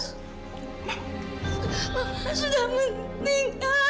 mama sudah meninggal